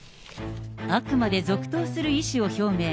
あくまで続投する意思を表明。